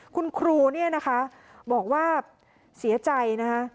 คุณครูเนี่ยนะคะบอกว่าเสียใจนะคะ